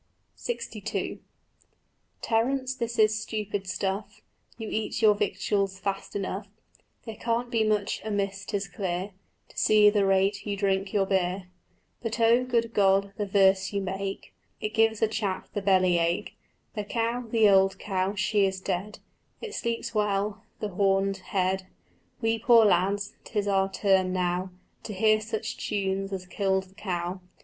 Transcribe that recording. LXII "Terence, this is stupid stuff: You eat your victuals fast enough; There can't be much amiss, 'tis clear, To see the rate you drink your beer. But oh, good Lord, the verse you make, It gives a chap the belly ache. The cow, the old cow, she is dead; It sleeps well, the horned head: We poor lads, 'tis our turn now To hear such tunes as killed the cow.